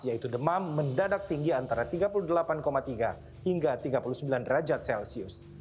yaitu demam mendadak tinggi antara tiga puluh delapan tiga hingga tiga puluh sembilan derajat celcius